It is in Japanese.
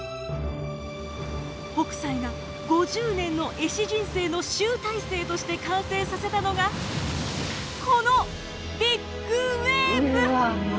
北斎が５０年の絵師人生の集大成として完成させたのがこのビッグウエーブ！